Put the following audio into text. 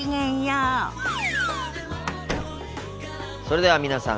それでは皆さん